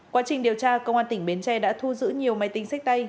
quá trình điều tra công an tỉnh bến tre đã thu giữ nhiều máy tính sách tay